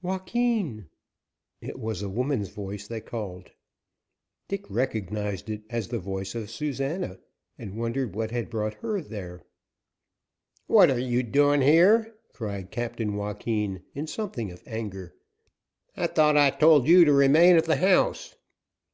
"Joaquin?" It was a woman's voice that called. Dick recognized it as the voice of Susana, and wondered what had brought her there. "What are you doing here?" cried Captain Joaquin, in something of anger. "I thought I told you to remain at the house."